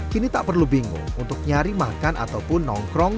kini tak perlu bingung untuk nyari makan ataupun nongkrong